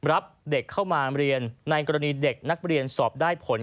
รับเด็กเข้ามาเรียนในกรณีเด็กนักเรียนสอบได้ผล